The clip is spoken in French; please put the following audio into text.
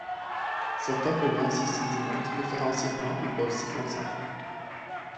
Certains polluants s’y sédimentent préférentiellement et peuvent s’y concentrer.